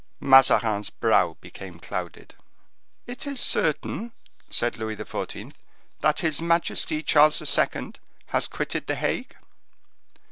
Mazarin's brow became clouded. "It is certain," said Louis XIV., "that his majesty Charles II., has quitted the Hague?"